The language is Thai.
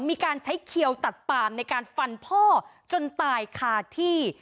มีการใช้เขียวตัดปามในการฟันพ่อจนตายคาที่